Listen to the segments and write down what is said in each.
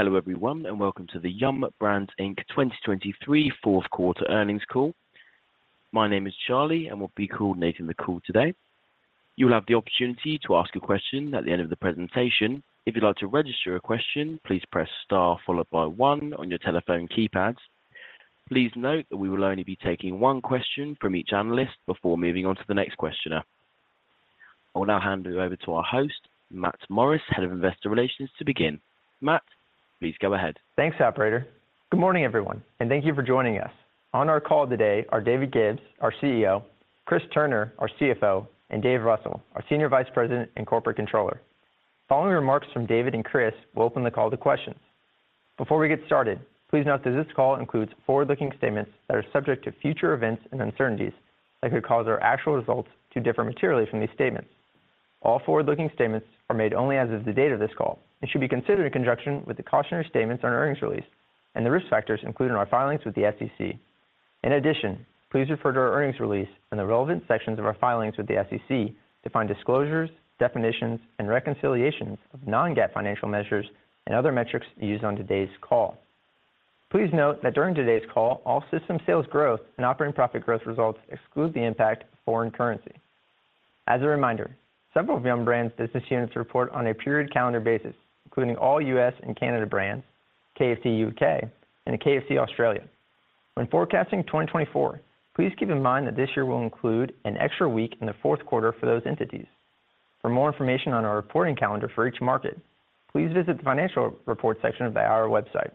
Hello, everyone, and welcome to the Yum! Brands Inc 2023 Fourth Quarter Earnings Call. My name is Charlie, and we'll be coordinating the call today. You will have the opportunity to ask a question at the end of the presentation. If you'd like to register a question, please press star, followed by one on your telephone keypad. Please note that we will only be taking one question from each analyst before moving on to the next questioner. I will now hand it over to our host, Matt Morris, Head of Investor Relations, to begin. Matt, please go ahead. Thanks, operator. Good morning, everyone, and thank you for joining us. On our call today are David Gibbs, our CEO, Chris Turner, our CFO, and Dave Russell, our Senior Vice President and Corporate Controller. Following remarks from David and Chris, we'll open the call to questions. Before we get started, please note that this call includes forward-looking statements that are subject to future events and uncertainties that could cause our actual results to differ materially from these statements. All forward-looking statements are made only as of the date of this call and should be considered in conjunction with the cautionary statements on our earnings release and the risk factors included in our filings with the SEC. In addition, please refer to our earnings release and the relevant sections of our filings with the SEC to find disclosures, definitions, and reconciliations of non-GAAP financial measures and other metrics used on today's call. Please note that during today's call, all system sales growth and operating profit growth results exclude the impact of foreign currency. As a reminder, several of Yum! Brands' business units report on a period calendar basis, including all U.S. and Canada brands, KFC U.K., and KFC Australia. When forecasting 2024, please keep in mind that this year will include an extra week in the fourth quarter for those entities. For more information on our reporting calendar for each market, please visit the financial report section of our website.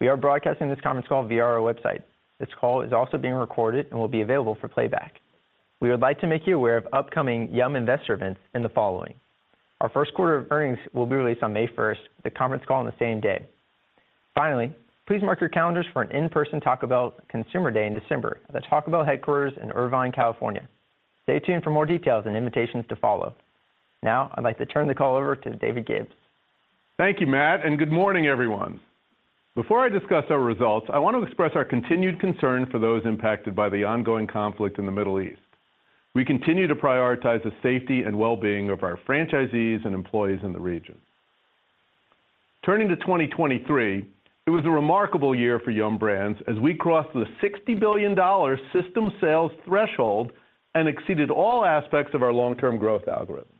We are broadcasting this conference call via our website. This call is also being recorded and will be available for playback. We would like to make you aware of upcoming Yum investor events in the following. Our first quarter of earnings will be released on May first, with the conference call on the same day. Finally, please mark your calendars for an in-person Taco Bell Consumer Day in December at the Taco Bell headquarters in Irvine, California. Stay tuned for more details and invitations to follow. Now, I'd like to turn the call over to David Gibbs. Thank you, Matt, and good morning, everyone. Before I discuss our results, I want to express our continued concern for those impacted by the ongoing conflict in the Middle East. We continue to prioritize the safety and well-being of our franchisees and employees in the region. Turning to 2023, it was a remarkable year for Yum! Brands as we crossed the $60 billion system sales threshold and exceeded all aspects of our long-term growth algorithm.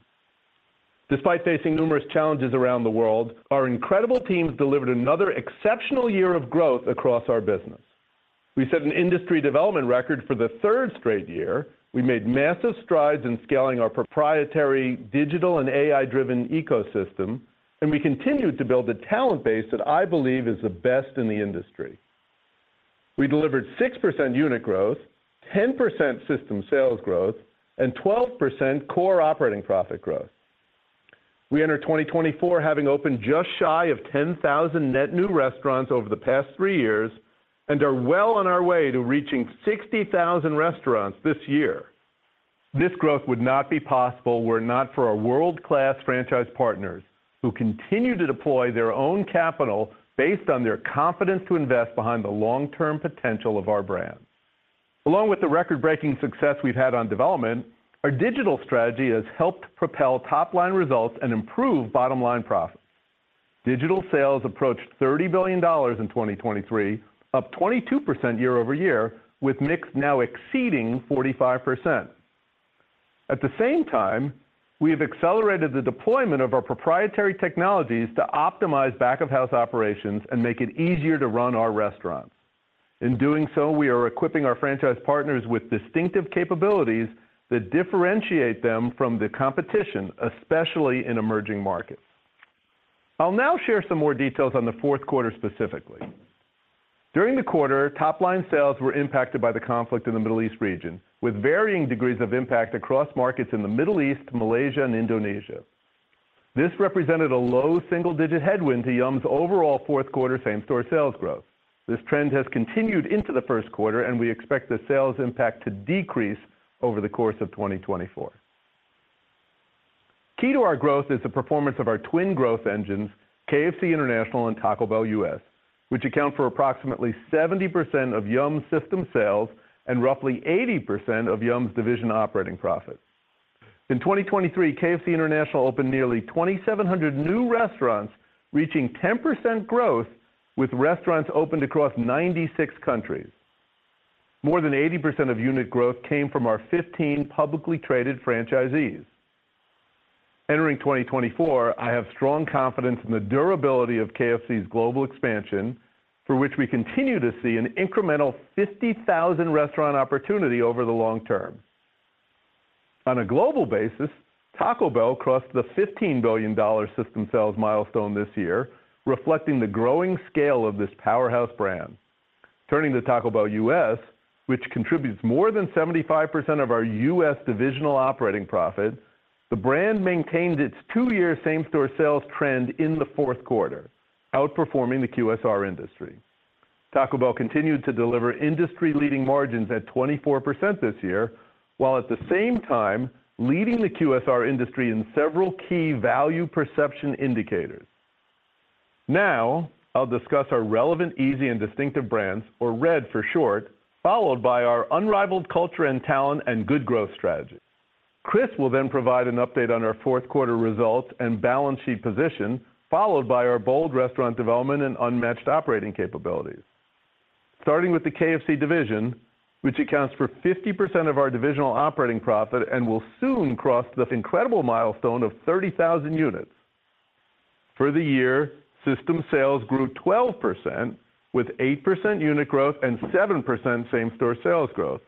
Despite facing numerous challenges around the world, our incredible teams delivered another exceptional year of growth across our business. We set an industry development record for the third straight year. We made massive strides in scaling our proprietary digital and AI-driven ecosystem, and we continued to build a talent base that I believe is the best in the industry. We delivered 6% unit growth, 10% system sales growth, and 12% core operating profit growth. We enter 2024, having opened just shy of 10,000 net new restaurants over the past three years and are well on our way to reaching 60,000 restaurants this year. This growth would not be possible were it not for our world-class franchise partners, who continue to deploy their own capital based on their confidence to invest behind the long-term potential of our brands. Along with the record-breaking success we've had on development, our digital strategy has helped propel top-line results and improve bottom-line profits. Digital sales approached $30 billion in 2023, up 22% year-over-year, with mix now exceeding 45%. At the same time, we have accelerated the deployment of our proprietary technologies to optimize back-of-house operations and make it easier to run our restaurants. In doing so, we are equipping our franchise partners with distinctive capabilities that differentiate them from the competition, especially in emerging markets. I'll now share some more details on the fourth quarter specifically. During the quarter, top-line sales were impacted by the conflict in the Middle East region, with varying degrees of impact across markets in the Middle East, Malaysia, and Indonesia. This represented a low single-digit headwind to Yum's! overall fourth quarter same-store sales growth. This trend has continued into the first quarter, and we expect the sales impact to decrease over the course of 2024. Key to our growth is the performance of our twin growth engines, KFC International and Taco Bell US, which account for approximately 70% of Yum's system sales and roughly 80% of Yum's division operating profits. In 2023, KFC International opened nearly 2,700 new restaurants, reaching 10% growth, with restaurants opened across 96 countries. More than 80% of unit growth came from our 15 publicly traded franchisees. Entering 2024, I have strong confidence in the durability of KFC's global expansion, for which we continue to see an incremental 50,000 restaurant opportunity over the long term. On a global basis, Taco Bell crossed the $15 billion system sales milestone this year, reflecting the growing scale of this powerhouse brand. Turning to Taco Bell U.S., which contributes more than 75% of our U.S. divisional operating profits, the brand maintained its two year same-store sales trend in the fourth quarter, outperforming the QSR industry. Taco Bell continued to deliver industry-leading margins at 24% this year, while at the same time leading the QSR industry in several key value perception indicators. Now, I'll discuss our Relevant, Easy, and Distinctive brands, or RED for short, followed by our unrivaled culture and talent and good growth strategies. Chris will then provide an update on our fourth quarter results and balance sheet position, followed by our bold restaurant development and unmatched operating capabilities. Starting with the KFC division, which accounts for 50% of our divisional operating profit and will soon cross the incredible milestone of 30,000 units. For the year, system sales grew 12%, with 8% unit growth and 7% same-store sales growth.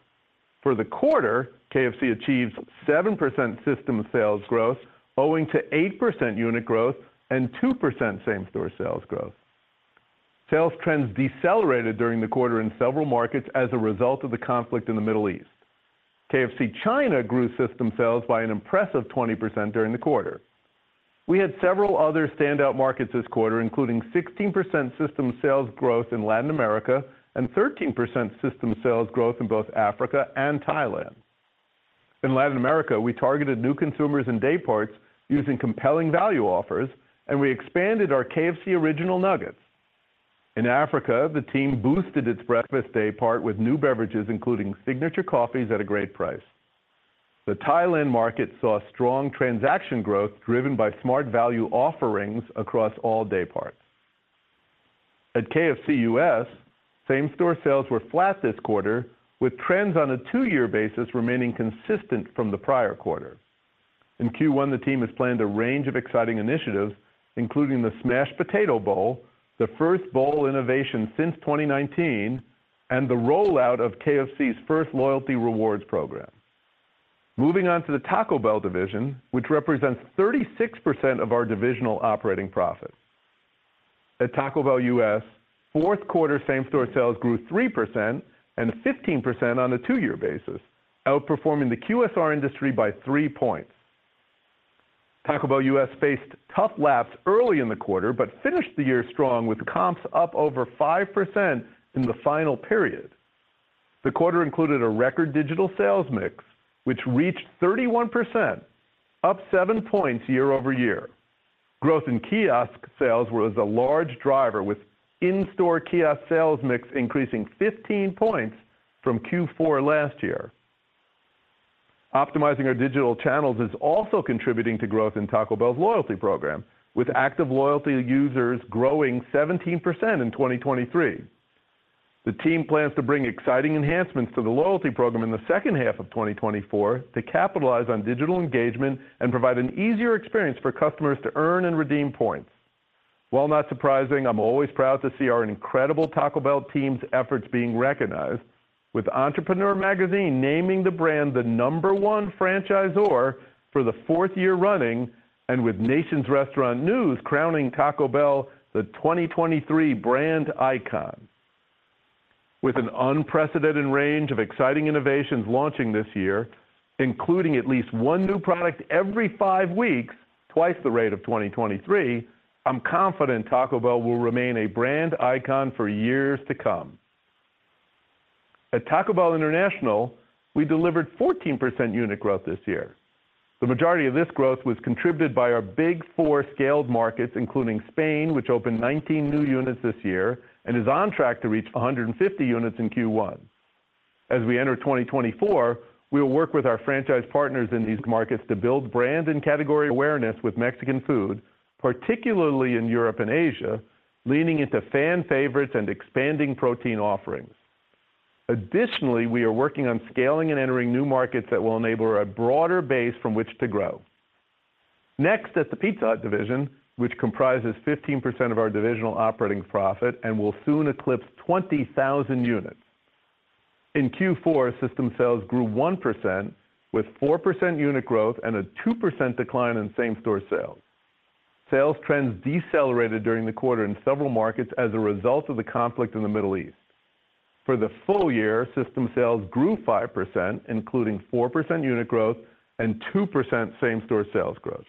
For the quarter, KFC achieved 7% system sales growth, owing to 8% unit growth and 2% same-store sales growth. Sales trends decelerated during the quarter in several markets as a result of the conflict in the Middle East. KFC China grew system sales by an impressive 20% during the quarter. We had several other standout markets this quarter, including 16% system sales growth in Latin America and 13% system sales growth in both Africa and Thailand. In Latin America, we targeted new consumers in day parts using compelling value offers, and we expanded our KFC original nuggets. In Africa, the team boosted its breakfast day part with new beverages, including signature coffees at a great price. The Thailand market saw strong transaction growth driven by smart value offerings across all day parts. At KFC U.S., same-store sales were flat this quarter, with trends on a two-year basis remaining consistent from the prior quarter. In Q1, the team has planned a range of exciting initiatives, including the Smash'd Potato Bowl, the first bowl innovation since 2019, and the rollout of KFC's first loyalty rewards program. Moving on to the Taco Bell division, which represents 36% of our divisional operating profit. At Taco Bell U.S., fourth quarter same-store sales grew 3% and 15% on a two-year basis, outperforming the QSR industry by 3 points. Taco Bell U.S. faced tough laps early in the quarter, but finished the year strong with comps up over 5% in the final period. The quarter included a record digital sales mix, which reached 31%, up 7 points year-over-year. Growth in kiosk sales was a large driver, with in-store kiosk sales mix increasing 15 points from Q4 last year. Optimizing our digital channels is also contributing to growth in Taco Bell's loyalty program, with active loyalty users growing 17% in 2023. The team plans to bring exciting enhancements to the loyalty program in the second half of 2024 to capitalize on digital engagement and provide an easier experience for customers to earn and redeem points. While not surprising, I'm always proud to see our incredible Taco Bell team's efforts being recognized, with Entrepreneur Magazine naming the brand the number one franchisor for the fourth year running, and with Nation's Restaurant News crowning Taco Bell the 2023 brand icon. With an unprecedented range of exciting innovations launching this year, including at least one new product every five weeks, twice the rate of 2023, I'm confident Taco Bell will remain a brand icon for years to come. At Taco Bell International, we delivered 14% unit growth this year. The majority of this growth was contributed by our big four scaled markets, including Spain, which opened 19 new units this year and is on track to reach 150 units in Q1. As we enter 2024, we will work with our franchise partners in these markets to build brand and category awareness with Mexican food, particularly in Europe and Asia, leaning into fan favorites and expanding protein offerings. Additionally, we are working on scaling and entering new markets that will enable a broader base from which to grow. Next, at the Pizza Hut division, which comprises 15% of our divisional operating profit and will soon eclipse 20,000 units. In Q4, system sales grew 1%, with 4% unit growth and a 2% decline in same-store sales. Sales trends decelerated during the quarter in several markets as a result of the conflict in the Middle East. For the full year, system sales grew 5%, including 4% unit growth and 2% same-store sales growth.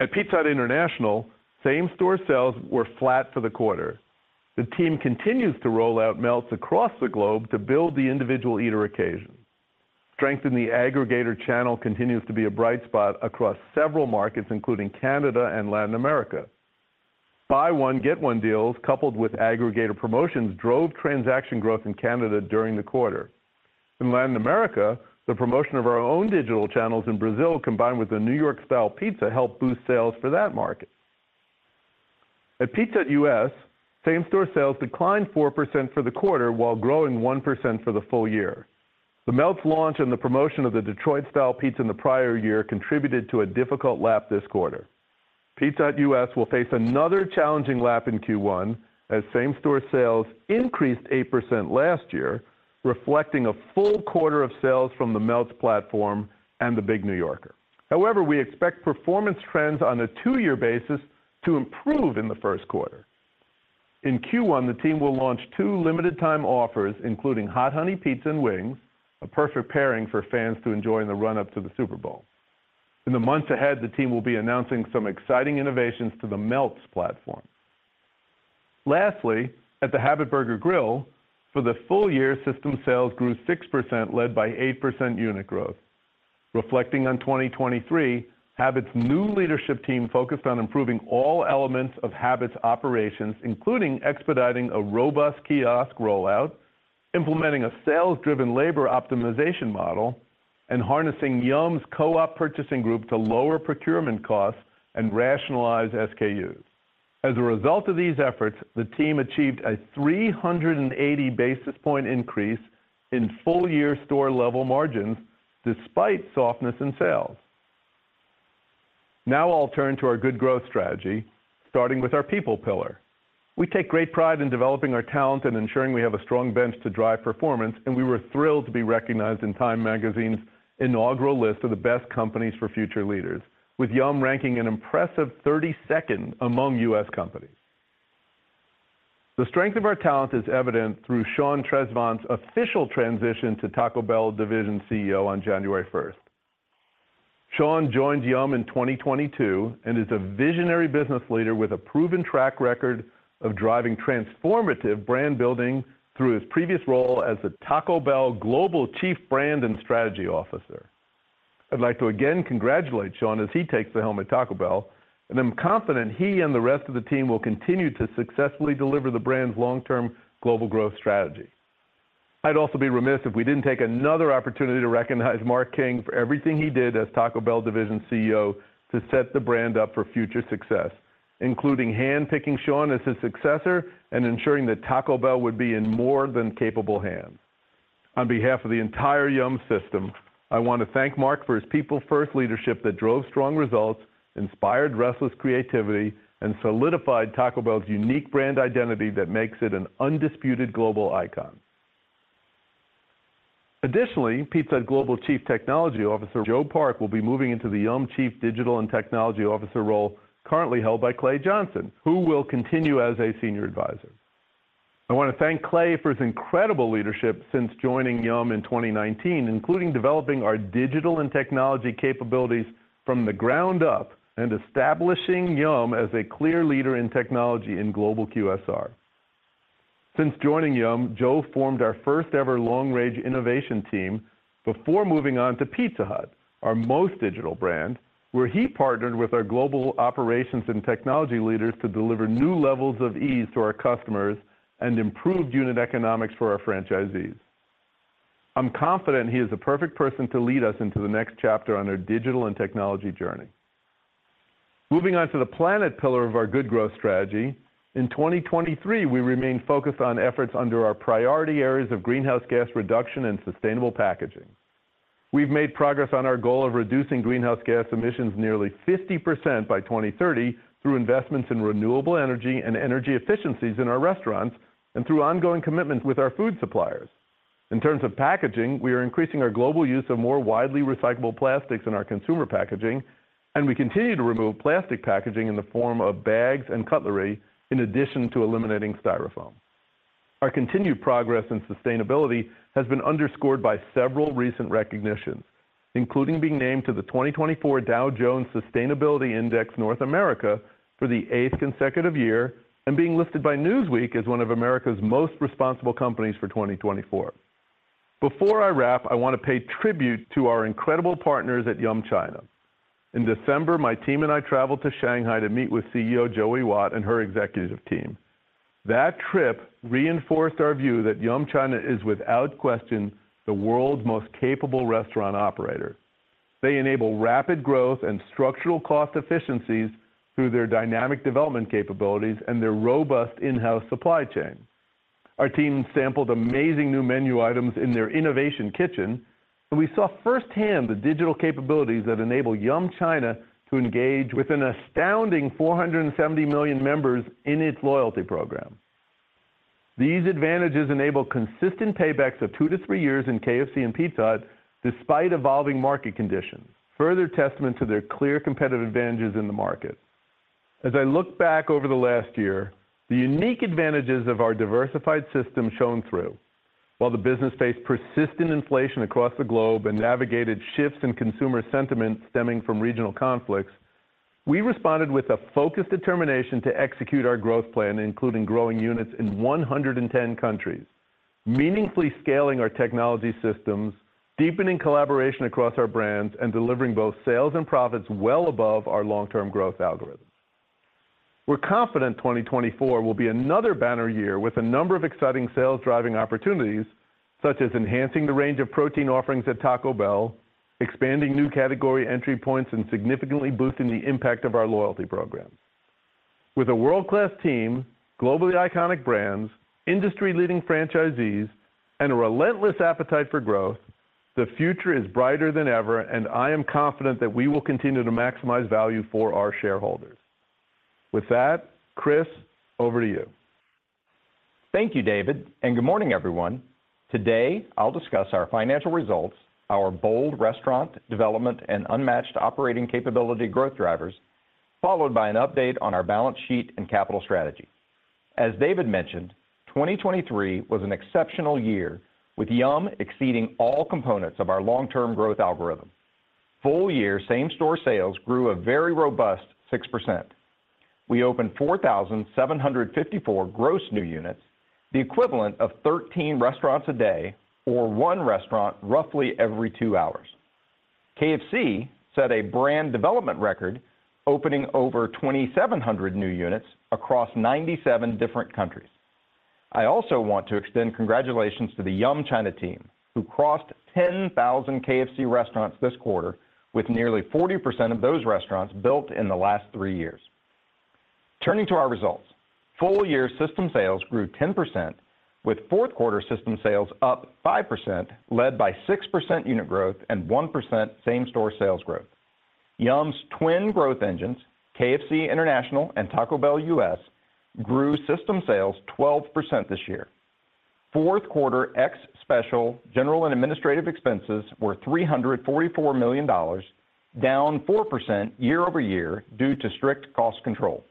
At Pizza Hut International, same-store sales were flat for the quarter. The team continues to roll out Melts across the globe to build the individual eater occasion. Strength in the aggregator channel continues to be a bright spot across several markets, including Canada and Latin America. Buy one get one deals, coupled with aggregator promotions, drove transaction growth in Canada during the quarter. In Latin America, the promotion of our own digital channels in Brazil, combined with the New York-style pizza, helped boost sales for that market. At Pizza Hut U.S., same-store sales declined 4% for the quarter, while growing 1% for the full year. The Melts launch and the promotion of the Detroit-Style Pizza in the prior year contributed to a difficult lap this quarter. Pizza Hut U.S. will face another challenging lap in Q1, as same-store sales increased 8% last year, reflecting a full quarter of sales from the Melts platform and the Big New Yorker. However, we expect performance trends on a two-year basis to improve in the first quarter. In Q1, the team will launch two limited time offers, including Hot Honey Pizza and Wings, a perfect pairing for fans to enjoy in the run-up to the Super Bowl. In the months ahead, the team will be announcing some exciting innovations to the Melts platform. Lastly, at the Habit Burger Grill, for the full year, system sales grew 6%, led by 8% unit growth. Reflecting on 2023, Habit's new leadership team focused on improving all elements of Habit's operations, including expediting a robust kiosk rollout, implementing a sales-driven labor optimization model, and harnessing Yum's co-op purchasing group to lower procurement costs and rationalize SKUs. As a result of these efforts, the team achieved a 380 basis point increase in full-year store level margins, despite softness in sales. Now I'll turn to our Good Growth Strategy, starting with our people pillar. We take great pride in developing our talent and ensuring we have a strong bench to drive performance, and we were thrilled to be recognized in Time Magazine's inaugural list of the best companies for future leaders, with Yum! ranking an impressive 32nd among U.S. companies. The strength of our talent is evident through Sean Tresvant's official transition to Taco Bell Division CEO on January 1st. Sean joined Yum! in 2022 and is a visionary business leader with a proven track record of driving transformative brand building through his previous role as the Taco Bell Global Chief Brand and Strategy Officer. I'd like to again congratulate Sean as he takes the helm at Taco Bell, and I'm confident he and the rest of the team will continue to successfully deliver the brand's long-term global growth strategy. I'd also be remiss if we didn't take another opportunity to recognize Mark King for everything he did as Taco Bell Division CEO to set the brand up for future success, including handpicking Sean as his successor and ensuring that Taco Bell would be in more than capable hands. On behalf of the entire Yum! system, I want to thank Mark for his people-first leadership that drove strong results, inspired restless creativity, and solidified Taco Bell's unique brand identity that makes it an undisputed global icon. Additionally, Pizza Hut Global Chief Technology Officer, Joe Park, will be moving into the Yum! Chief Digital and Technology Officer role currently held by Clay Johnson, who will continue as a Senior Advisor. I want to thank Clay for his incredible leadership since joining Yum! in 2019, including developing our digital and technology capabilities from the ground up and establishing Yum! as a clear leader in technology in global QSR. Since joining Yum!, Joe formed our first-ever long-range innovation team before moving on to Pizza Hut, our most digital brand, where he partnered with our global operations and technology leaders to deliver new levels of ease to our customers and improved unit economics for our franchisees. I'm confident he is the perfect person to lead us into the next chapter on our digital and technology journey. Moving on to the planet pillar of our Good Growth Strategy. In 2023, we remained focused on efforts under our priority areas of greenhouse gas reduction and sustainable packaging. We've made progress on our goal of reducing greenhouse gas emissions nearly 50% by 2030 through investments in renewable energy and energy efficiencies in our restaurants and through ongoing commitments with our food suppliers. In terms of packaging, we are increasing our global use of more widely recyclable plastics in our consumer packaging, and we continue to remove plastic packaging in the form of bags and cutlery, in addition to eliminating styrofoam. Our continued progress in sustainability has been underscored by several recent recognitions, including being named to the 2024 Dow Jones Sustainability Index North America for the eighth consecutive year and being listed by Newsweek as one of America's most responsible companies for 2024. Before I wrap, I want to pay tribute to our incredible partners at Yum! China. In December, my team and I traveled to Shanghai to meet with CEO Joey Wat and her executive team. That trip reinforced our view that Yum! China is, without question, the world's most capable restaurant operator. They enable rapid growth and structural cost efficiencies through their dynamic development capabilities and their robust in-house supply chain. Our team sampled amazing new menu items in their innovation kitchen, and we saw firsthand the digital capabilities that enable Yum! China to engage with an astounding 470 million members in its loyalty program. These advantages enable consistent paybacks of two to three years in KFC and Pizza Hut, despite evolving market conditions, further testament to their clear competitive advantages in the market. As I look back over the last year, the unique advantages of our diversified system shone through. While the business faced persistent inflation across the globe and navigated shifts in consumer sentiment stemming from regional conflicts, we responded with a focused determination to execute our growth plan, including growing units in 110 countries, meaningfully scaling our technology systems, deepening collaboration across our brands, and delivering both sales and profits well above our long-term growth algorithm. We're confident 2024 will be another banner year with a number of exciting sales-driving opportunities, such as enhancing the range of protein offerings at Taco Bell, expanding new category entry points, and significantly boosting the impact of our loyalty program. With a world-class team, globally iconic brands, industry-leading franchisees, and a relentless appetite for growth, the future is brighter than ever, and I am confident that we will continue to maximize value for our shareholders. With that, Chris, over to you. Thank you, David, and good morning, everyone. Today, I'll discuss our financial results, our bold restaurant development, and unmatched operating capability growth drivers, followed by an update on our balance sheet and capital strategy. As David mentioned, 2023 was an exceptional year, with Yum! exceeding all components of our long-term growth algorithm. Full-year same-store sales grew a very robust 6%. We opened 4,754 gross new units, the equivalent of 13 restaurants a day or one restaurant roughly every two hours. KFC set a brand development record, opening over 2,700 new units across 97 different countries. I also want to extend congratulations to the Yum! China team, who crossed 10,000 KFC restaurants this quarter, with nearly 40% of those restaurants built in the last three years. Turning to our results, full year system sales grew 10%, with fourth quarter system sales up 5%, led by 6% unit growth and 1% same-store sales growth. Yum's twin growth engines, KFC International and Taco Bell US, grew system sales 12% this year. Fourth quarter ex-special general and administrative expenses were $344 million, down 4% year-over-year due to strict cost control.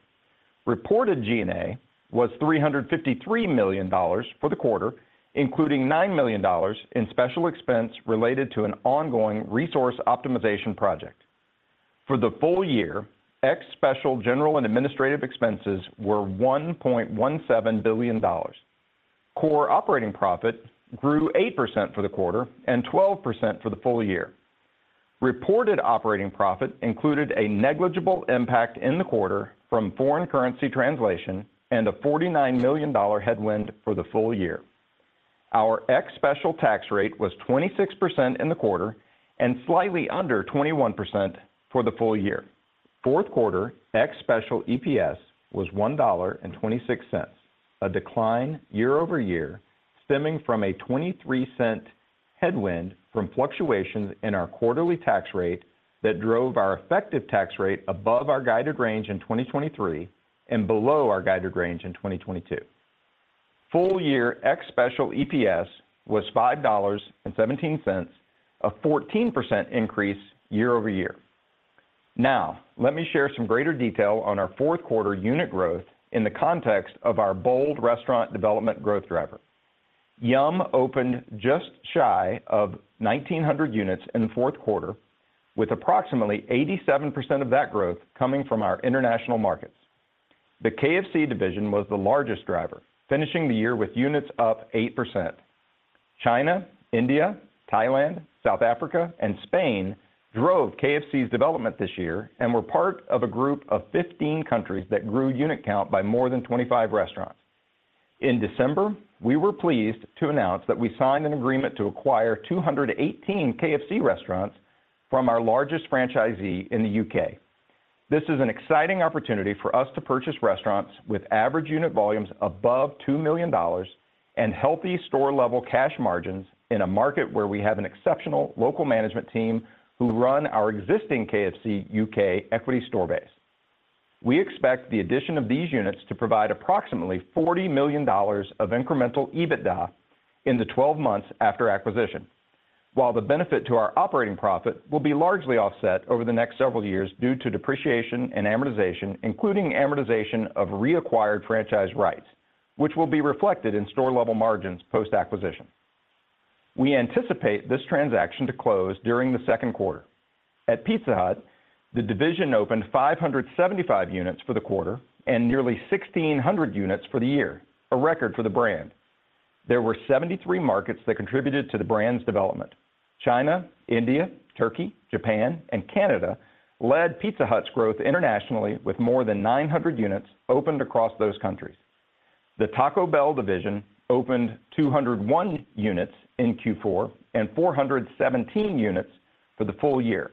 Reported G&A was $353 million for the quarter, including $9 million in special expense related to an ongoing resource optimization project. For the full year, ex-special general and administrative expenses were $1.17 billion. Core operating profit grew 8% for the quarter and 12% for the full year. Reported operating profit included a negligible impact in the quarter from foreign currency translation and a $49 million headwind for the full year. Our ex-special tax rate was 26% in the quarter and slightly under 21% for the full year. Fourth quarter ex-special EPS was $1.26, a decline year-over-year, stemming from a $0.23 headwind from fluctuations in our quarterly tax rate that drove our effective tax rate above our guided range in 2023 and below our guided range in 2022. Full year ex-special EPS was $5.17, a 14% increase year-over-year. Now, let me share some greater detail on our fourth quarter unit growth in the context of our bold restaurant development growth driver. Brands opened just shy of 1,900 units in the fourth quarter, with approximately 87% of that growth coming from our international markets. The KFC division was the largest driver, finishing the year with units up 8%. China, India, Thailand, South Africa, and Spain drove KFC's development this year and were part of a group of 15 countries that grew unit count by more than 25 restaurants. In December, we were pleased to announce that we signed an agreement to acquire 218 KFC restaurants from our largest franchisee in the U.K. This is an exciting opportunity for us to purchase restaurants with average unit volumes above $2 million and healthy store-level cash margins in a market where we have an exceptional local management team who run our existing KFC U.K. equity store base. We expect the addition of these units to provide approximately $40 million of incremental EBITDA in the 12 months after acquisition. While the benefit to our operating profit will be largely offset over the next several years due to depreciation and amortization, including amortization of reacquired franchise rights, which will be reflected in store-level margins post-acquisition. We anticipate this transaction to close during the second quarter. At Pizza Hut, the division opened 575 units for the quarter and nearly 1,600 units for the year, a record for the brand. There were 73 markets that contributed to the brand's development. China, India, Turkey, Japan, and Canada led Pizza Hut's growth internationally, with more than 900 units opened across those countries. The Taco Bell division opened 201 units in Q4 and 417 units for the full year.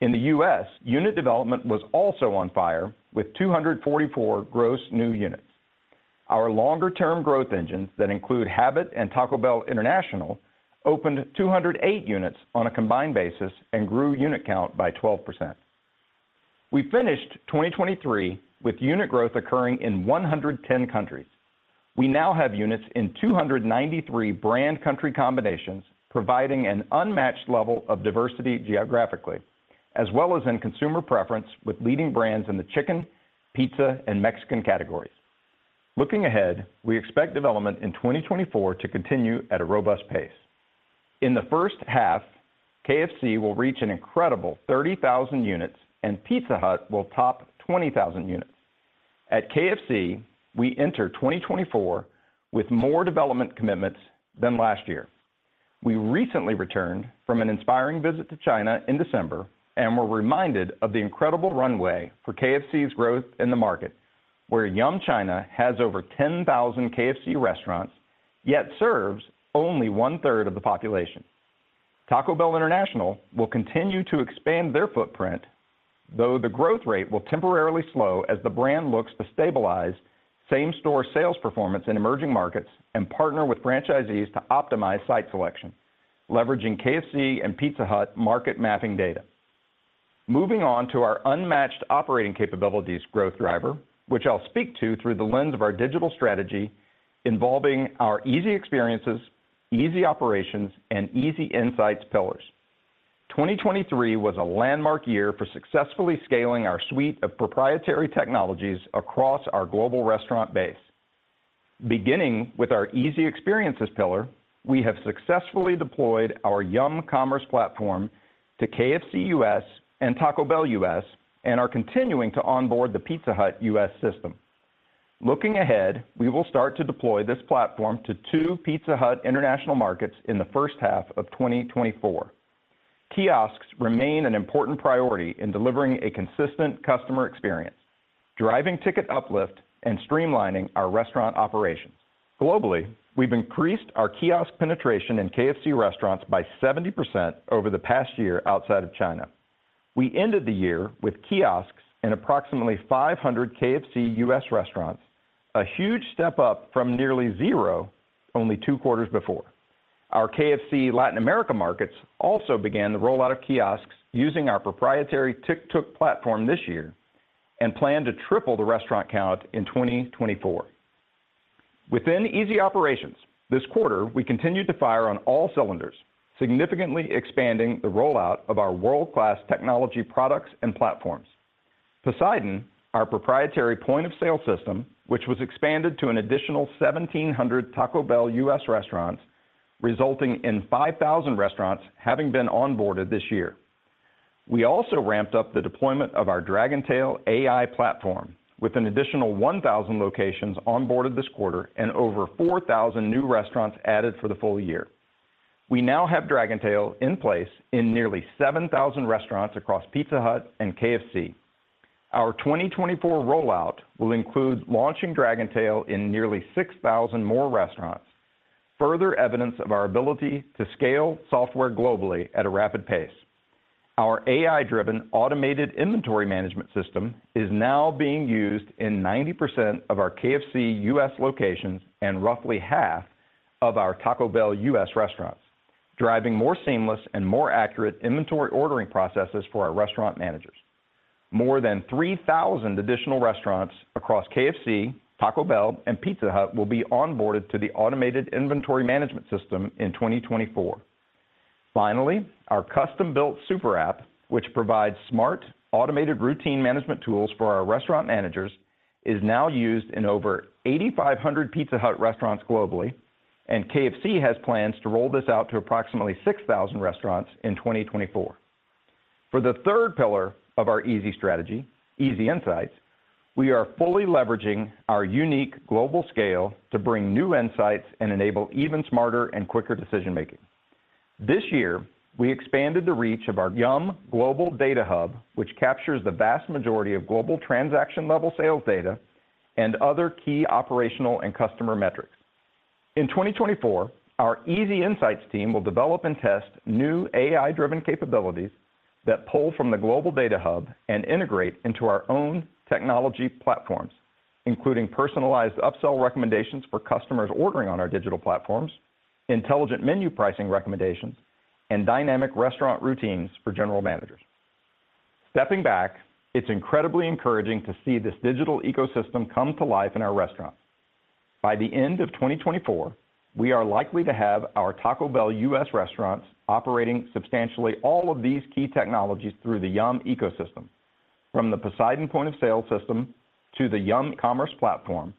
In the U.S., unit development was also on fire, with 244 gross new units. Our longer-term growth engines that include Habit and Taco Bell International, opened 208 units on a combined basis and grew unit count by 12%. We finished 2023 with unit growth occurring in 110 countries. We now have units in 293 brand country combinations, providing an unmatched level of diversity geographically, as well as in consumer preference with leading brands in the chicken, pizza, and Mexican categories. Looking ahead, we expect development in 2024 to continue at a robust pace. In the first half, KFC will reach an incredible 30,000 units, and Pizza Hut will top 20,000 units. At KFC, we enter 2024 with more development commitments than last year. We recently returned from an inspiring visit to China in December and were reminded of the incredible runway for KFC's growth in the market, where Yum! China has over 10,000 KFC restaurants, yet serves only one-third of the population. Taco Bell International will continue to expand their footprint, though the growth rate will temporarily slow as the brand looks to stabilize same-store sales performance in emerging markets and partner with franchisees to optimize site selection, leveraging KFC and Pizza Hut market mapping data. Moving on to our unmatched operating capabilities growth driver, which I'll speak to through the lens of our digital strategy, involving our Easy Experiences, Easy Operations, and Easy Insights pillars. 2023 was a landmark year for successfully scaling our suite of proprietary technologies across our global restaurant base. Beginning with our Easy Experiences pillar, we have successfully deployed our Yum! Commerce Platform to KFC U.S. and Taco Bell U.S., and are continuing to onboard the Pizza Hut U.S. system. Looking ahead, we will start to deploy this platform to 2 Pizza Hut international markets in the first half of 2024. Kiosks remain an important priority in delivering a consistent customer experience, driving ticket uplift, and streamlining our restaurant operations. Globally, we've increased our kiosk penetration in KFC restaurants by 70% over the past year outside of China. We ended the year with kiosks in approximately 500 KFC U.S. restaurants, a huge step up from nearly zero only two quarters before. Our KFC Latin America markets also began the rollout of kiosks using our proprietary Tictuk platform this year, and plan to triple the restaurant count in 2024. Within Easy Operations, this quarter, we continued to fire on all cylinders, significantly expanding the rollout of our world-class technology products and platforms. Poseidon, our proprietary point-of-sale system, which was expanded to an additional 1,700 Taco Bell U.S. restaurants, resulting in 5,000 restaurants having been onboarded this year. We also ramped up the deployment of our Dragontail AI platform, with an additional 1,000 locations onboarded this quarter and over 4,000 new restaurants added for the full year. We now have Dragontail in place in nearly 7,000 restaurants across Pizza Hut and KFC. Our 2024 rollout will include launching Dragontail in nearly 6,000 more restaurants, further evidence of our ability to scale software globally at a rapid pace. Our AI-driven Automated Inventory Management system is now being used in 90% of our KFC U.S. locations and roughly half of our Taco Bell U.S. restaurants, driving more seamless and more accurate inventory ordering processes for our restaurant managers. More than 3,000 additional restaurants across KFC, Taco Bell, and Pizza Hut will be onboarded to the Automated Inventory Management system in 2024. Finally, our custom-built Super App, which provides smart, automated routine management tools for our restaurant managers, is now used in over 8,500 Pizza Hut restaurants globally, and KFC has plans to roll this out to approximately 6,000 restaurants in 2024. For the third pillar of our easy strategy, Easy Insights, we are fully leveraging our unique global scale to bring new insights and enable even smarter and quicker decision making. This year, we expanded the reach of our Yum! Global Data Hub, which captures the vast majority of global transaction-level sales data and other key operational and customer metrics. In 2024, our Easy Insights team will develop and test new AI-driven capabilities that pull from the global data hub and integrate into our own technology platforms, including personalized upsell recommendations for customers ordering on our digital platforms, intelligent menu pricing recommendations, and dynamic restaurant routines for general managers. Stepping back, it's incredibly encouraging to see this digital ecosystem come to life in our restaurants. By the end of 2024, we are likely to have our Taco Bell U.S. restaurants operating substantially all of these key technologies through the Yum! ecosystem, from the Poseidon point of sale system to the Yum! Commerce Platform,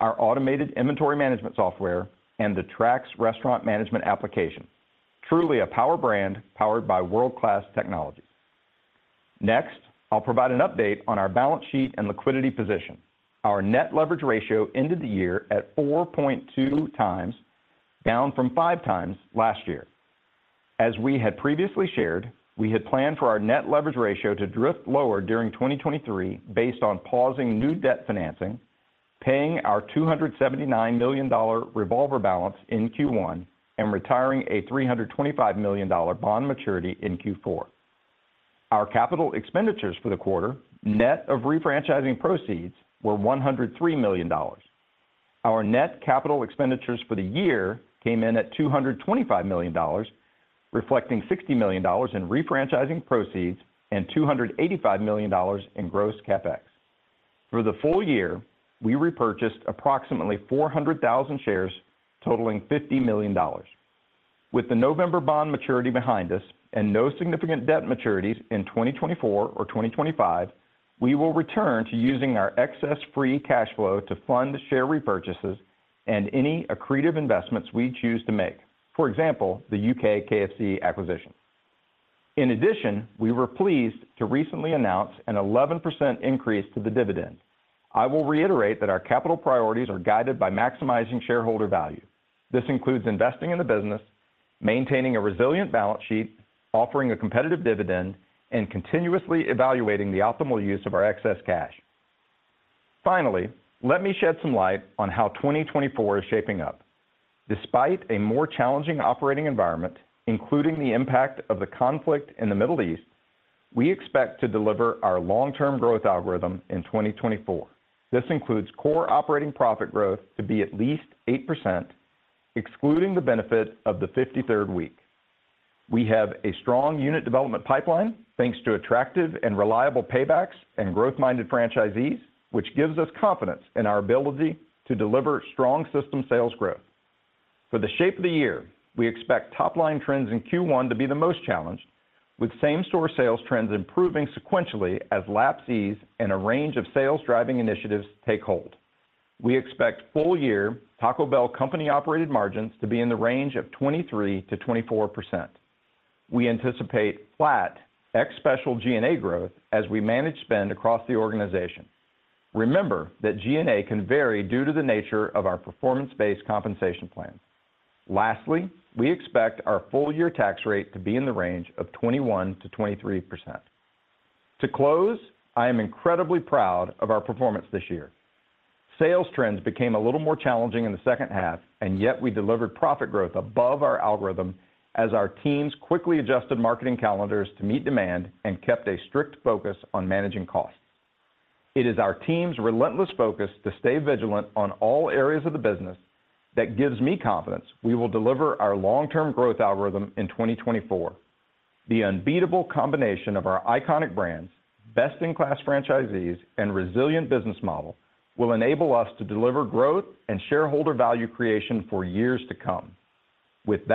our Automated Inventory Management software, and the Trak restaurant management application. Truly a power brand powered by world-class technology. Next, I'll provide an update on our balance sheet and liquidity position. Our net leverage ratio ended the year at 4.2x, down from 5x last year. As we had previously shared, we had planned for our net leverage ratio to drift lower during 2023 based on pausing new debt financing, paying our $279 million revolver balance in Q1, and retiring a $325 million bond maturity in Q4. Our capital expenditures for the quarter, net of refranchising proceeds, were $103 million. Our net capital expenditures for the year came in at $225 million, reflecting $60 million in refranchising proceeds and $285 million in gross CapEx. For the full year, we repurchased approximately 400,000 shares, totaling $50 million. With the November bond maturity behind us and no significant debt maturities in 2024 or 2025, we will return to using our excess free cash flow to fund the share repurchases and any accretive investments we choose to make. For example, the U.K. KFC acquisition. In addition, we were pleased to recently announce an 11% increase to the dividend. I will reiterate that our capital priorities are guided by maximizing shareholder value. This includes investing in the business, maintaining a resilient balance sheet, offering a competitive dividend, and continuously evaluating the optimal use of our excess cash. Finally, let me shed some light on how 2024 is shaping up. Despite a more challenging operating environment, including the impact of the conflict in the Middle East, we expect to deliver our long-term growth algorithm in 2024. This includes core operating profit growth to be at least 8%, excluding the benefit of the 53rd week. We have a strong unit development pipeline, thanks to attractive and reliable paybacks and growth-minded franchisees, which gives us confidence in our ability to deliver strong system sales growth. For the shape of the year, we expect top-line trends in Q1 to be the most challenged, with same-store sales trends improving sequentially as laps ease and a range of sales-driving initiatives take hold. We expect full-year Taco Bell company-operated margins to be in the range of 23%-24%. We anticipate flat ex-special G&A growth as we manage spend across the organization. Remember that G&A can vary due to the nature of our performance-based compensation plan. Lastly, we expect our full-year tax rate to be in the range of 21%-23%. To close, I am incredibly proud of our performance this year. Sales trends became a little more challenging in the second half, and yet we delivered profit growth above our algorithm as our teams quickly adjusted marketing calendars to meet demand and kept a strict focus on managing costs. It is our team's relentless focus to stay vigilant on all areas of the business that gives me confidence we will deliver our long-term growth algorithm in 2024. The unbeatable combination of our iconic brands, best-in-class franchisees, and resilient business model will enable us to deliver growth and shareholder value creation for years to come. With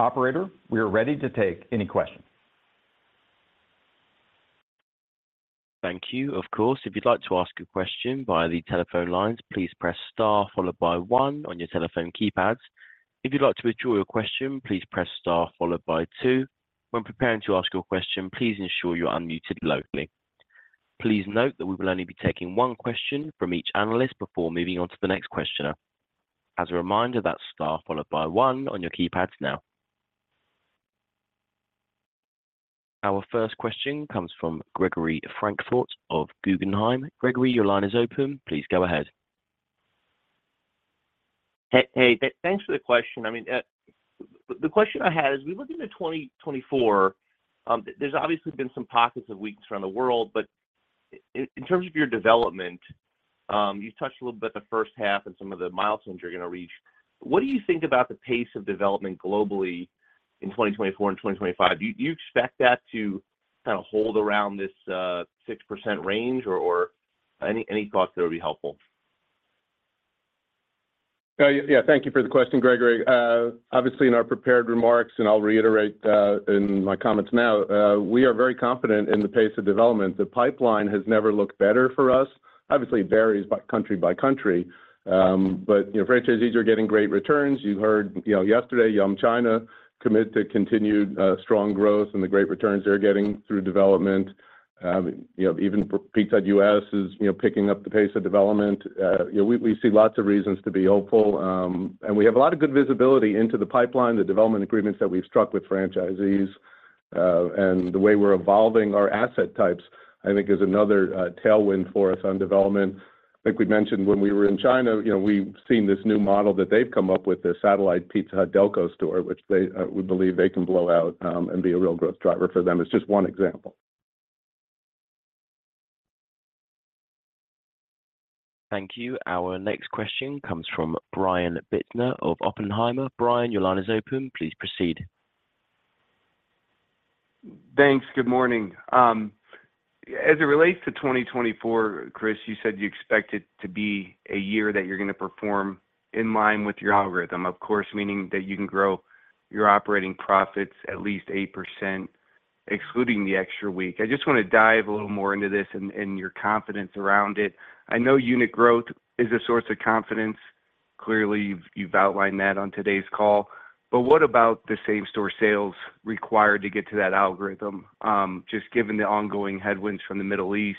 that, operator, we are ready to take any questions. Thank you. Of course, if you'd like to ask a question via the telephone lines, please press star followed by one on your telephone keypads. If you'd like to withdraw your question, please press star followed by two. When preparing to ask your question, please ensure you're unmuted locally. Please note that we will only be taking one question from each analyst before moving on to the next questioner. As a reminder, that's star followed by one on your keypads now. Our first question comes from Gregory Francfort of Guggenheim. Gregory, your line is open. Please go ahead. Hey, hey, thanks for the question. I mean, the question I had is, we look into 2024, there's obviously been some pockets of weakness around the world, but in terms of your development, you touched a little bit the first half and some of the milestones you're going to reach. What do you think about the pace of development globally in 2024 and 2025? Do you expect that to kind of hold around this, 6% range, or any thoughts that would be helpful? Yeah, thank you for the question, Gregory. Obviously, in our prepared remarks, and I'll reiterate, in my comments now, we are very confident in the pace of development. The pipeline has never looked better for us. Obviously, it varies by country by country, but, you know, franchisees are getting great returns. You heard, you know, yesterday, Yum! China commit to continued, strong growth and the great returns they're getting through development. You know, even for Pizza Hut U.S. is, you know, picking up the pace of development. You know, we, we see lots of reasons to be hopeful, and we have a lot of good visibility into the pipeline, the development agreements that we've struck with franchisees, and the way we're evolving our asset types, I think is another, tailwind for us on development. I think we mentioned when we were in China, you know, we've seen this new model that they've come up with, the satellite Pizza Hut Delco store, which we believe they can blow out, and be a real growth driver for them. It's just one example. Thank you. Our next question comes from Brian Bittner of Oppenheimer. Brian, your line is open. Please proceed. Thanks. Good morning. As it relates to 2024, Chris, you said you expect it to be a year that you're going to perform in line with your algorithm, of course, meaning that you can grow your operating profits at least 8%, excluding the extra week. I just want to dive a little more into this and your confidence around it. I know unit growth is a source of confidence. Clearly, you've outlined that on today's call, but what about the same-store sales required to get to that algorithm? Just given the ongoing headwinds from the Middle East,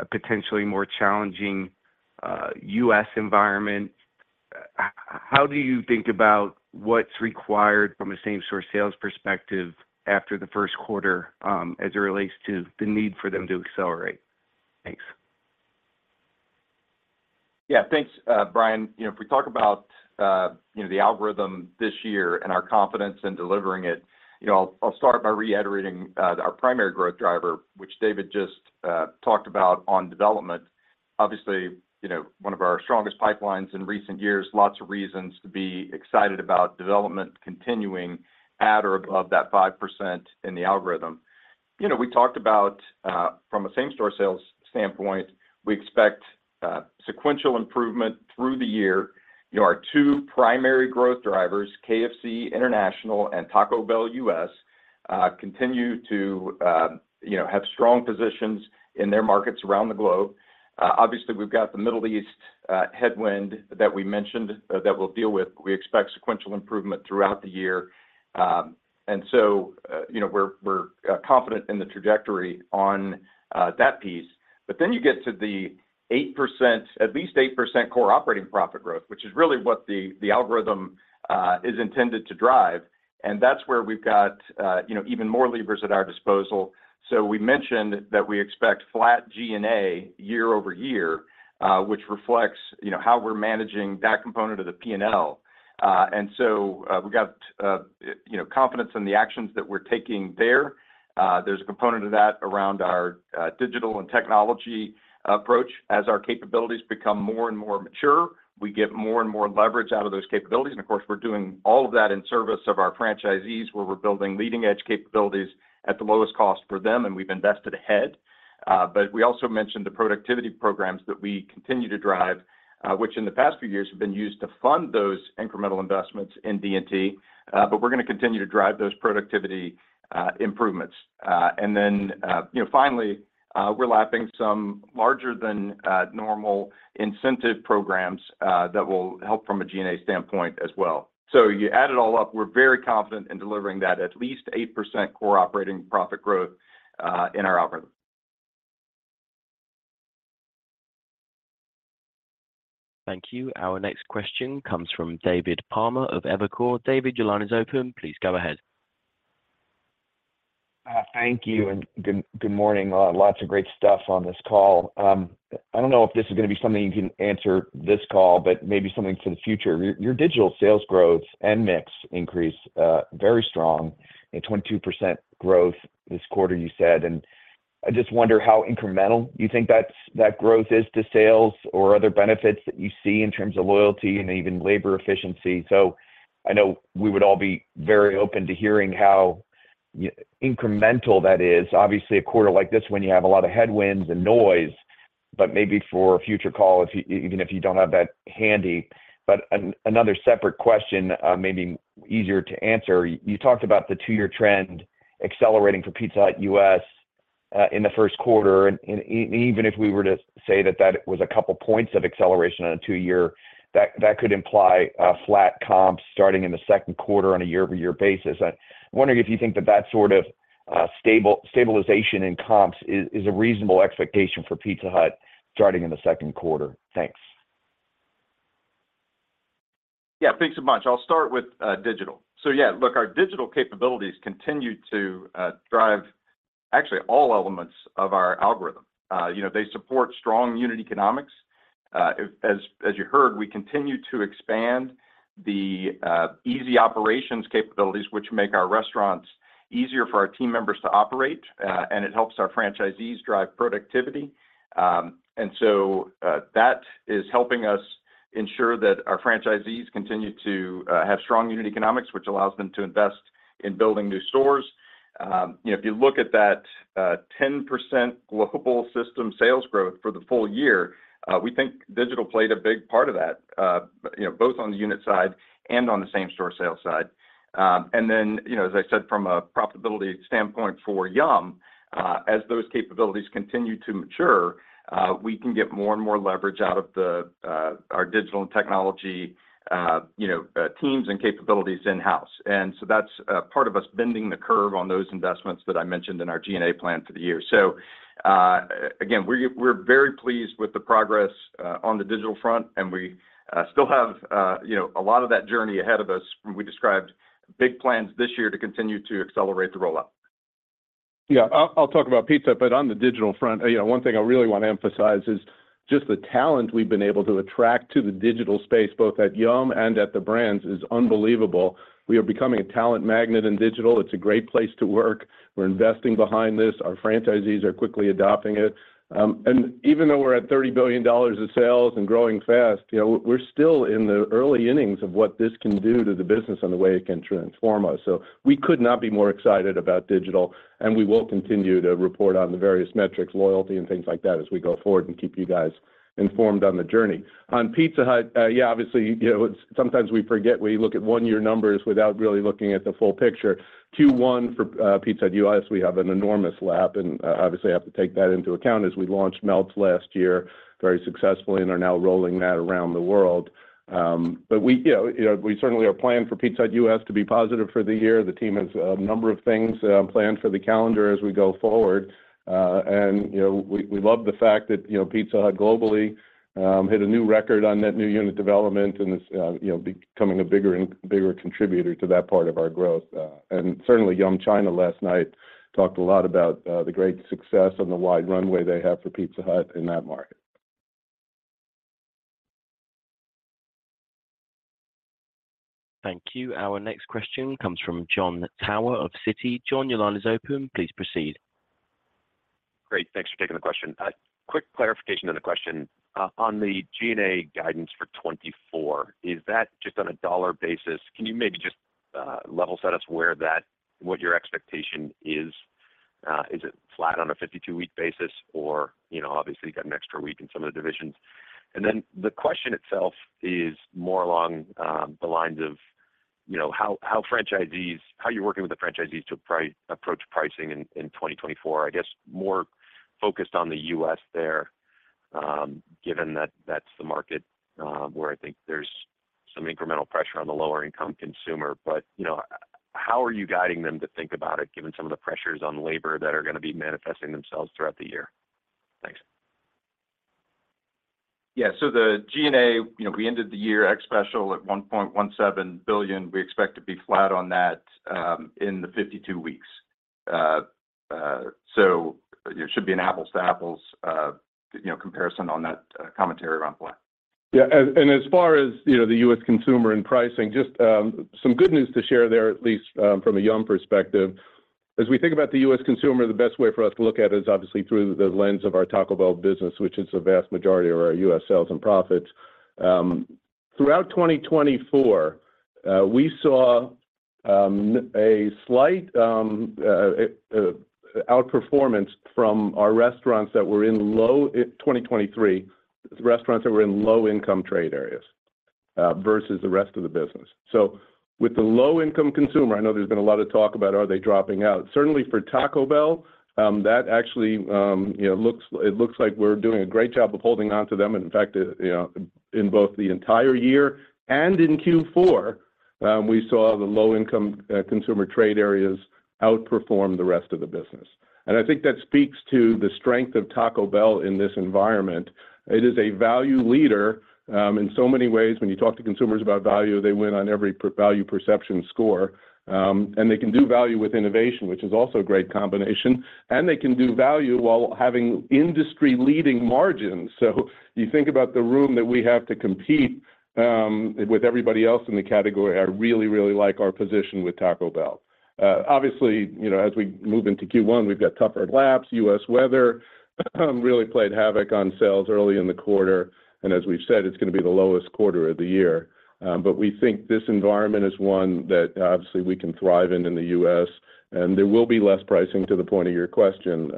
a potentially more challenging U.S. environment, how do you think about what's required from a same-store sales perspective after the first quarter, as it relates to the need for them to accelerate? Thanks. Yeah. Thanks, Brian. You know, if we talk about, you know, the algorithm this year and our confidence in delivering it, you know, I'll start by reiterating, our primary growth driver, which David just talked about on development. Obviously, you know, one of our strongest pipelines in recent years, lots of reasons to be excited about development continuing at or above that 5% in the algorithm. You know, we talked about, from a same-store sales standpoint, we expect, sequential improvement through the year. You know, our two primary growth drivers, KFC International and Taco Bell U.S., continue to, you know, have strong positions in their markets around the globe. Obviously, we've got the Middle East, headwind that we mentioned, that we'll deal with. We expect sequential improvement throughout the year. And so, you know, we're confident in the trajectory on that piece. But then you get to the 8%, at least 8% Core operating profit growth, which is really what the algorithm is intended to drive, and that's where we've got, you know, even more levers at our disposal. So we mentioned that we expect flat G&A year-over-year, which reflects, you know, how we're managing that component of the P&L. And so, we've got, you know, confidence in the actions that we're taking there. There's a component of that around our digital and technology approach. As our capabilities become more and more mature, we get more and more leverage out of those capabilities. Of course, we're doing all of that in service of our franchisees, where we're building leading-edge capabilities at the lowest cost for them, and we've invested ahead. But we also mentioned the productivity programs that we continue to drive, which in the past few years have been used to fund those incremental investments in D&T. But we're gonna continue to drive those productivity improvements. And then, you know, finally, we're lapping some larger than normal incentive programs that will help from a G&A standpoint as well. So you add it all up, we're very confident in delivering that at least 8% core operating profit growth in our algorithm. Thank you. Our next question comes from David Palmer of Evercore. David, your line is open. Please go ahead. Thank you, and good, good morning. Lots of great stuff on this call. I don't know if this is gonna be something you can answer this call, but maybe something for the future. Your digital sales growth and mix increase, very strong, a 22% growth this quarter, you said. And I just wonder how incremental you think that growth is to sales or other benefits that you see in terms of loyalty and even labor efficiency. So I know we would all be very open to hearing how incremental that is. Obviously, a quarter like this, when you have a lot of headwinds and noise, but maybe for a future call, if even if you don't have that handy. But another separate question, maybe easier to answer. You talked about the two-year trend accelerating for Pizza Hut U.S. in the first quarter, and even if we were to say that that was a couple points of acceleration on a two-year, that could imply a flat comp starting in the second quarter on a year-over-year basis. I'm wondering if you think that that sort of stabilization in comps is a reasonable expectation for Pizza Hut starting in the second quarter? Thanks. Yeah, thanks so much. I'll start with digital. So yeah, look, our digital capabilities continue to drive actually all elements of our algorithm. You know, they support strong unit economics. As you heard, we continue to expand the Easy Operations capabilities, which make our restaurants easier for our team members to operate, and it helps our franchisees drive productivity. And so, that is helping us ensure that our franchisees continue to have strong unit economics, which allows them to invest in building new stores. You know, if you look at that, 10% global system sales growth for the full year, we think digital played a big part of that, you know, both on the unit side and on the same-store sales side. And then, you know, as I said, from a profitability standpoint for Yum, as those capabilities continue to mature, we can get more and more leverage out of the our digital and technology, you know, teams and capabilities in-house. And so that's part of us bending the curve on those investments that I mentioned in our G&A plan for the year. So, again, we're very pleased with the progress on the digital front, and we still have, you know, a lot of that journey ahead of us. We described big plans this year to continue to accelerate the rollout. Yeah. I'll talk about Pizza, but on the digital front, you know, one thing I really want to emphasize is just the talent we've been able to attract to the digital space, both at Yum! and at the brands, is unbelievable. We are becoming a talent magnet in digital. It's a great place to work. We're investing behind this. Our franchisees are quickly adopting it. And even though we're at $30 billion in sales and growing fast, you know, we're still in the early innings of what this can do to the business and the way it can transform us. So we could not be more excited about digital, and we will continue to report on the various metrics, loyalty, and things like that as we go forward and keep you guys informed on the journey. On Pizza Hut, yeah, obviously, you know, sometimes we forget, we look at one-year numbers without really looking at the full picture. Q1 for Pizza Hut U.S., we have an enormous lap, and obviously, have to take that into account as we launched Melts last year very successfully and are now rolling that around the world. But we, you know, you know, we certainly are planning for Pizza Hut U.S. to be positive for the year. The team has a number of things planned for the calendar as we go forward. And, you know, we, we love the fact that, you know, Pizza Hut globally hit a new record on net new unit development and is, you know, becoming a bigger and bigger contributor to that part of our growth. Certainly, Yum China last night talked a lot about the great success and the wide runway they have for Pizza Hut in that market. Thank you. Our next question comes from Jon Tower of Citi. John, your line is open. Please proceed. Great, thanks for taking the question. Quick clarification on the question. On the G&A guidance for 2024, is that just on a dollar basis? Can you maybe just level set us what your expectation is? Is it flat on a 52-week basis or, you know, obviously, you got an extra week in some of the divisions. And then the question itself is more along the lines of, you know how you're working with the franchisees approach pricing in 2024? I guess, more focused on the U.S. there, given that that's the market where I think there's some incremental pressure on the lower-income consumer. But, you know, how are you guiding them to think about it, given some of the pressures on labor that are gonna be manifesting themselves throughout the year? Thanks. Yeah. So the G&A, you know, we ended the year ex-special at $1.17 billion. We expect to be flat on that, in the 52 weeks. So, it should be an apples to apples, you know, comparison on that, commentary around black. Yeah, and as far as, you know, the U.S. consumer and pricing, just some good news to share there, at least from a Yum! perspective. As we think about the U.S. consumer, the best way for us to look at it is obviously through the lens of our Taco Bell business, which is the vast majority of our U.S. sales and profits. Throughout 2024, we saw a slight outperformance from our restaurants that were in low-income trade areas versus the rest of the business. So with the low-income consumer, I know there's been a lot of talk about 'are they dropping out?' Certainly for Taco Bell, that actually, you know, it looks like we're doing a great job of holding on to them. In fact, you know, in both the entire year and in Q4, we saw the low-income consumer trade areas outperform the rest of the business. I think that speaks to the strength of Taco Bell in this environment. It is a value leader in so many ways. When you talk to consumers about value, they win on every per value perception score. And they can do value with innovation, which is also a great combination, and they can do value while having industry-leading margins. So you think about the room that we have to compete with everybody else in the category. I really, really like our position with Taco Bell. Obviously, you know, as we move into Q1, we've got tougher comps. U.S. weather really played havoc on sales early in the quarter, and as we've said, it's going to be the lowest quarter of the year. But we think this environment is one that obviously we can thrive in in the U.S., and there will be less pricing to the point of your question,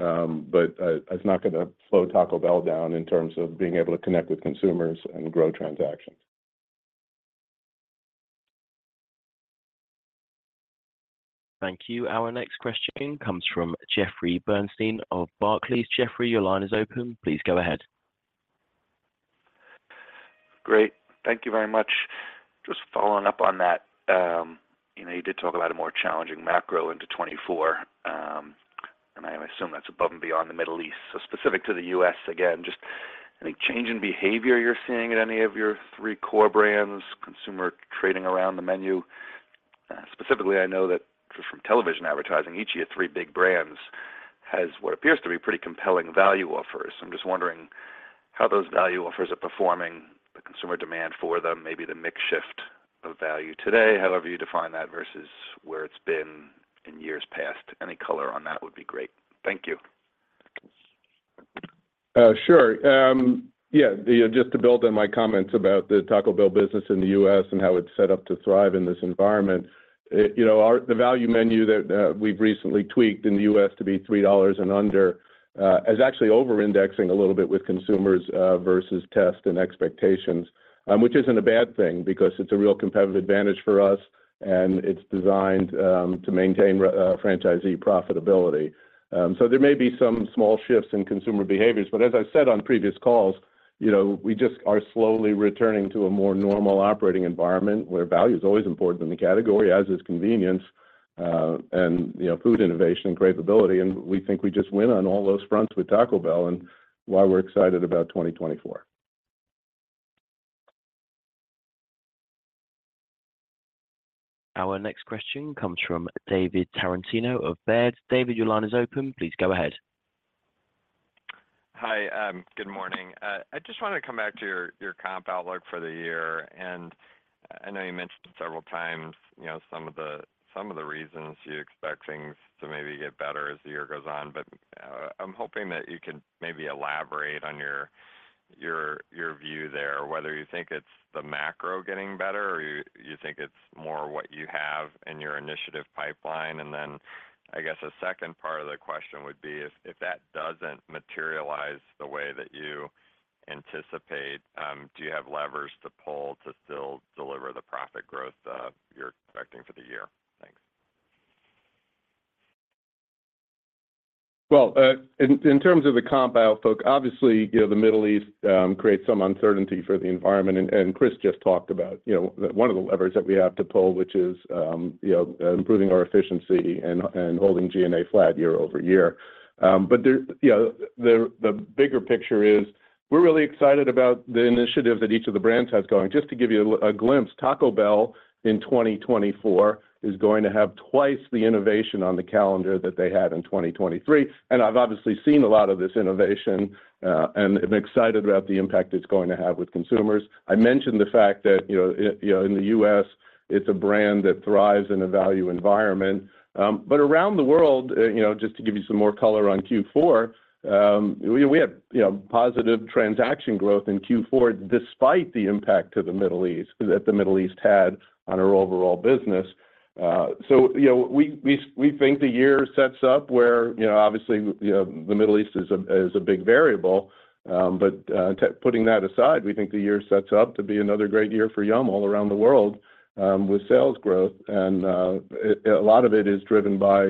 but it's not going to slow Taco Bell down in terms of being able to connect with consumers and grow transactions. Thank you. Our next question comes from Jeffrey Bernstein of Barclays. Jeffrey, your line is open. Please go ahead. Great. Thank you very much. Just following up on that, you know, you did talk about a more challenging macro into 2024, and I assume that's above and beyond the Middle East. So specific to the U.S., again, just any change in behavior you're seeing in any of your three core brands, consumer trading around the menu? Specifically, I know that from television advertising, each of your three big brands has what appears to be pretty compelling value offers. I'm just wondering how those value offers are performing, the consumer demand for them, maybe the mix shift of value today, however you define that, versus where it's been in years past. Any color on that would be great. Thank you. Sure. Yeah, just to build on my comments about the Taco Bell business in the U.S. and how it's set up to thrive in this environment. You know, the value menu that we've recently tweaked in the U.S. to be $3 and under is actually over indexing a little bit with consumers versus tests and expectations. Which isn't a bad thing because it's a real competitive advantage for us, and it's designed to maintain franchisee profitability. So there may be some small shifts in consumer behaviors, but as I said on previous calls, you know, we just are slowly returning to a more normal operating environment, where value is always important in the category, as is convenience, and you know, food innovation and capability. We think we just win on all those fronts with Taco Bell and why we're excited about 2024. Our next question comes from David Tarantino of Baird. David, your line is open. Please go ahead. Hi, good morning. I just wanted to come back to your comp outlook for the year, and I know you mentioned several times, you know, some of the reasons you expect things to maybe get better as the year goes on. But, I'm hoping that you could maybe elaborate on your view there, whether you think it's the macro getting better, or you think it's more what you have in your initiative pipeline. And then, I guess a second part of the question would be, if that doesn't materialize the way that you anticipate, do you have levers to pull to still deliver the profit growth you're expecting for the year? Thanks. Well, in terms of the comp outlook, obviously, you know, the Middle East creates some uncertainty for the environment, and Chris just talked about, you know, one of the levers that we have to pull, which is, you know, improving our efficiency and holding G&A flat year-over-year. But you know, the bigger picture is, we're really excited about the initiative that each of the brands has going. Just to give you a glimpse, Taco Bell in 2024 is going to have twice the innovation on the calendar that they had in 2023, and I've obviously seen a lot of this innovation, and I'm excited about the impact it's going to have with consumers. I mentioned the fact that, you know, in the U.S., it's a brand that thrives in a value environment. But around the world, you know, just to give you some more color on Q4, we had, you know, positive transaction growth in Q4, despite the impact to the Middle East, that the Middle East had on our overall business. So, you know, we think the year sets up where, you know, obviously, the Middle East is a big variable, but, putting that aside, we think the year sets up to be another great year for Yum! all around the world, with sales growth, and a lot of it is driven by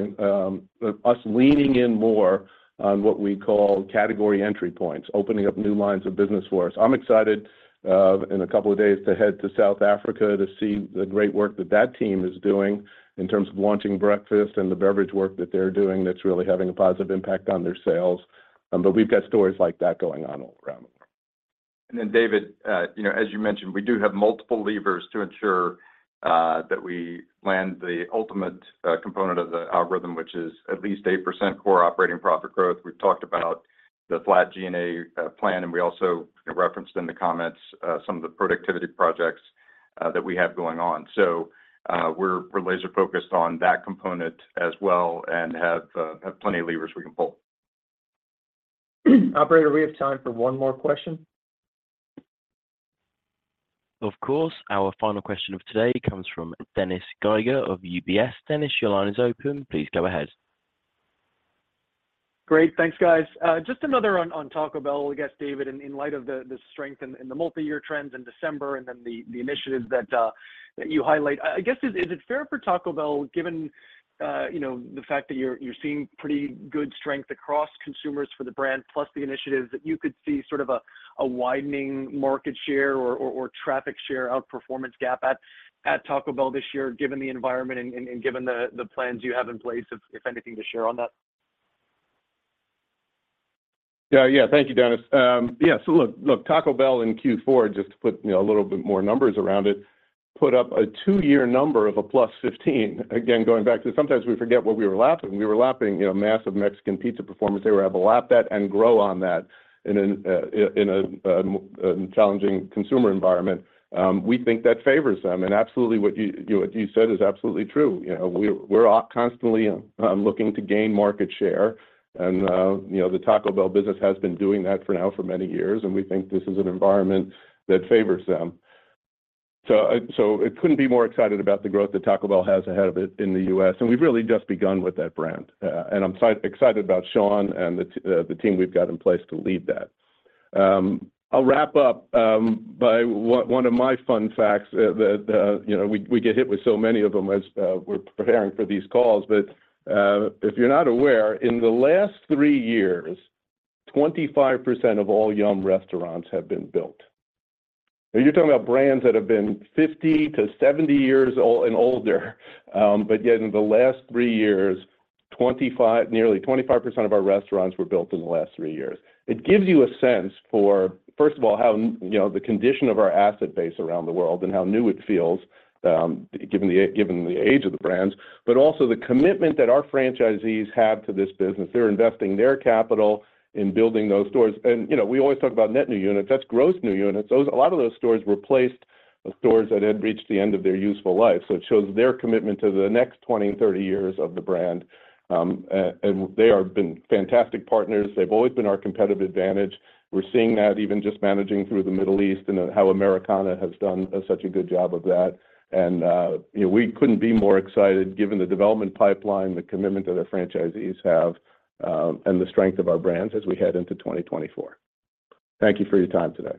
us leaning in more on what we call category entry points, opening up new lines of business for us. I'm excited, in a couple of days, to head to South Africa to see the great work that that team is doing in terms of launching breakfast and the beverage work that they're doing that's really having a positive impact on their sales. But we've got stories like that going on all around the world... And then David, you know, as you mentioned, we do have multiple levers to ensure that we land the ultimate component of the algorithm, which is at least 8% core operating profit growth. We've talked about the flat G&A plan, and we also referenced in the comments some of the productivity projects that we have going on. So, we're laser focused on that component as well and have plenty of levers we can pull. Operator, we have time for one more question. Of course. Our final question of today comes from Dennis Geiger of UBS. Dennis, your line is open. Please go ahead. Great. Thanks, guys. Just another on Taco Bell, I guess, David, in light of the strength in the multi-year trends in December and then the initiatives that you highlight. I guess, is it fair for Taco Bell, given you know the fact that you're seeing pretty good strength across consumers for the brand, plus the initiatives, that you could see sort of a widening market share or traffic share outperformance gap at Taco Bell this year, given the environment and given the plans you have in place, if anything, to share on that? Yeah. Yeah. Thank you, Dennis. Yeah, so look, look, Taco Bell in Q4, just to put, you know, a little bit more numbers around it, put up a two-year number of +15. Again, going back to sometimes we forget what we were lapping. We were lapping, you know, massive Mexican Pizza performance. They were able to lap that and grow on that in a challenging consumer environment. We think that favors them, and absolutely what you, you know, what you said is absolutely true. You know, we're constantly looking to gain market share, and you know, the Taco Bell business has been doing that for now for many years, and we think this is an environment that favors them. So, it couldn't be more excited about the growth that Taco Bell has ahead of it in the U.S., and we've really just begun with that brand. And I'm excited about Sean and the team we've got in place to lead that. I'll wrap up by one of my fun facts, you know, we get hit with so many of them as we're preparing for these calls. But, if you're not aware, in the last three years, 25% of all Yum restaurants have been built. Now, you're talking about brands that have been 50-70 years old and older, but yet in the last three years, nearly 25% of our restaurants were built in the last three years. It gives you a sense for, first of all, how, you know, the condition of our asset base around the world and how new it feels, given the age of the brands, but also the commitment that our franchisees have to this business. They're investing their capital in building those stores. And, you know, we always talk about net new units. That's gross new units. A lot of those stores replaced the stores that had reached the end of their useful life. So it shows their commitment to the next 20, 30 years of the brand. And they have been fantastic partners. They've always been our competitive advantage. We're seeing that even just managing through the Middle East and how Americana has done such a good job of that. You know, we couldn't be more excited, given the development pipeline, the commitment that our franchisees have, and the strength of our brands as we head into 2024. Thank you for your time today.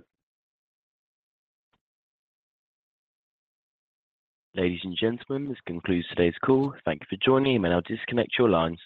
Ladies and gentlemen, this concludes today's call. Thank you for joining. You may now disconnect your lines.